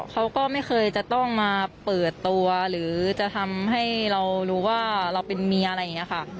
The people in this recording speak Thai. เขาก็ไม่เคยจะต้องมาเปิดตัวหรือจะทำให้เรารู้ว่าเราเป็นเมียอะไรอย่างนี้ค่ะ